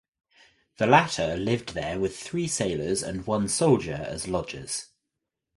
The latter lived there with three sailors and one soldier as lodgers.